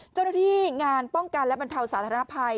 เจ้าหน้าที่งานป้องกันและบรรเทาสาธารณภัย